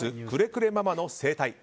クレクレママの生態。